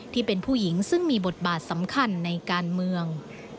ที่เป็นผู้หญิงซึ่งมีบทบาทสำคัญในการเมือง